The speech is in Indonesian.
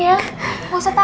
gak usah takut soalnya